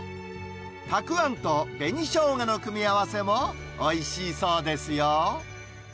たくあんと紅しょうがの組み合わせもおいしいそうですよ。